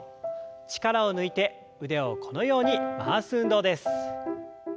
力を抜いて腕をこのように回す運動です。